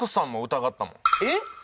えっ？